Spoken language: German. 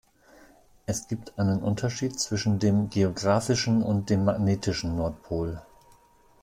Es gibt einen Unterschied zwischen dem geografischen und dem magnetischen Nordpol.